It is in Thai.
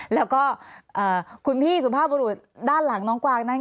แล้วก็คุณพี่สุภาพบุรุษด้านหลังน้องกวางนั้น